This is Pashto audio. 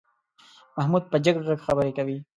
محمود په جګ غږ خبرې کوي.